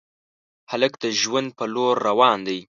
هلک د ژوند په لور روان دی.